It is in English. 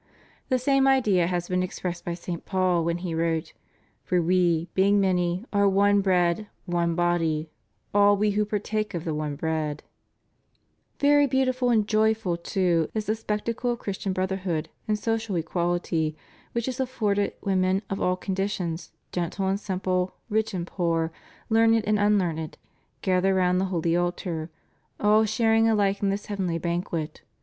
"^ The same idea had been expressed by St. Paul when he wrote: Far we, being many, are one bread, one body, all we who partake of the one bread} Very beautiful and joyful too is the spectacle of Christian brotherhood and social equality which is afforded when men of all conditions, gentle and simple, rich and poor, learned and unlearned, gather round the holy altar, all sharing alike in this heavenly banquet.